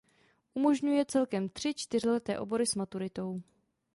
Umožňuje celkem tři čtyřleté obory s maturitou.